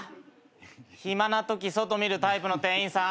暇なとき外見るタイプの店員さん。